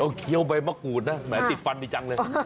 เอาเคี้ยวใบมะกรูดนะแหมติดฟันดีจังเลย